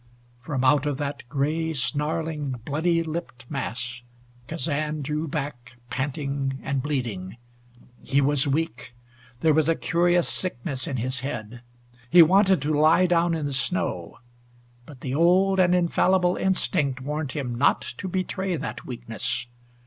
From out of that gray, snarling, bloody lipped mass, Kazan drew back, panting and bleeding. He was weak. There was a curious sickness in his head. He wanted to lie down in the snow. But the old and infallible instinct warned him not to betray that weakness.